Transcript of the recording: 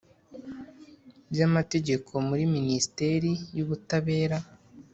by Amategeko muri Minisiteri y Ubutabera